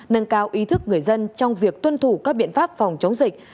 nâng cao ý thức người dân trong việc tuân thủ các biện pháp phòng chống dịch